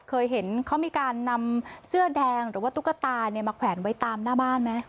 เคยเห็นเขามีการนำเสื้อแดงหรือว่าตุ๊กตามาแขวนไว้ตามหน้าบ้านไหม